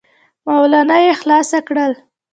مولونه يې خلاص کړل.